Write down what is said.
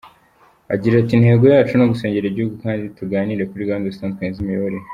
Agira ati “Intego yacu ni ugusengera igihugu kandi tuganire kuri gahunda zitandukanye z’imiyoborere.